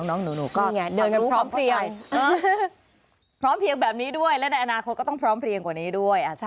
แล้วก็เดินไปพร้อมเพียงแบบนี้ด้วยและในอนาคตก็ต้องพร้อมเพียงกว่านี้ด้วย